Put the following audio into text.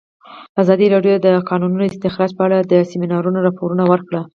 ازادي راډیو د د کانونو استخراج په اړه د سیمینارونو راپورونه ورکړي.